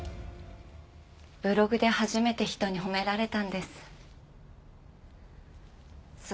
ブログで初めて人に褒められたんです。